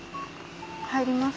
入ります。